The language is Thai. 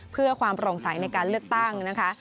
เพื่อความโปร่งใสในการเลือกตั้งนะคะ